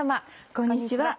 こんにちは。